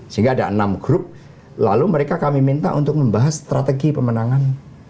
sehingga ada enam grup lalu mereka kami minta untuk membahas strategi pemenangan